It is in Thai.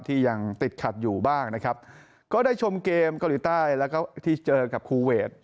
ยังติดขัดอยู่บ้างนะครับก็ได้ชมเกมเกาหลีใต้แล้วก็ที่เจอกับคูเวท